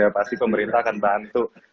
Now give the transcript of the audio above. pasti pemerintah akan bantu